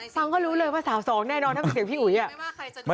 ฟังก็รู้เลยว่าสาวสองแน่นอนถ้าเป็นเสียงพี่อุ๋ยอะ